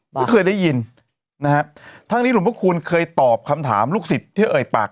ไม่เคยได้ยินนะฮะทั้งนี้หลวงพระคูณเคยตอบคำถามลูกศิษย์ที่เอ่ยปาก